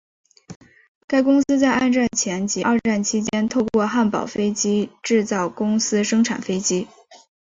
该公司在二战前及二战期间透过汉堡飞机制造公司生产飞机。